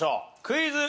クイズ。